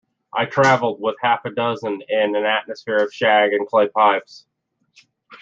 I travelled with half a dozen in an atmosphere of shag and clay pipes.